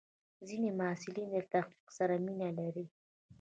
ځینې محصلین له تحقیق سره مینه لري.